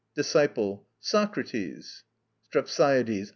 DISCIPLE. Socrates. STREPSIADES.